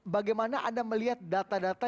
bagaimana anda melihat data data